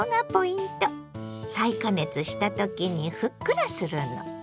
再加熱した時にふっくらするの。